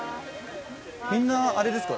みんなあれですか？